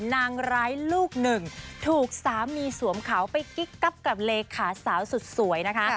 นางร้ายลูกหนึ่งถูกสามีสวมเขาไปกิ๊กกั๊บกับเลขาสาวสุดสวยนะคะ